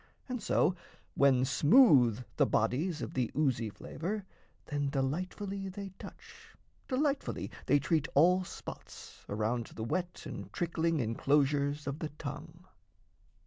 And so, when smooth The bodies of the oozy flavour, then Delightfully they touch, delightfully They treat all spots, around the wet and trickling Enclosures of the tongue.